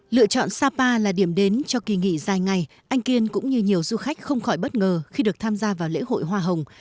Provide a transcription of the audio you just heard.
lựa chọn sapa là điểm đến cho kỳ nghỉ dài ngày anh kiên cũng như nhiều du khách không khỏi bất ngờ khi được tham gia vào lễ hội hoa hồng